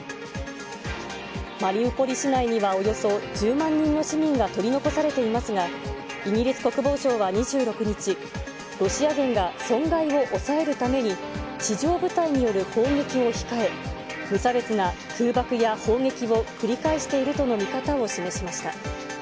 マリウポリ市内にはおよそ１０万人の市民が取り残されていますが、イギリス国防省は２６日、ロシア軍が損害を抑えるために、地上部隊による攻撃を控え、無差別な空爆や砲撃を繰り返しているとの見方を示しました。